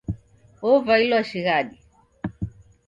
Wovailwa shighadi.